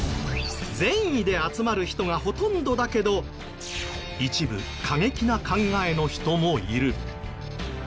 善意で集まる人がほとんどだけど一部過激な考えの人もいる。